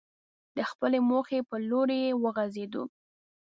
د خپلې موخې پر لوري وخوځېدو.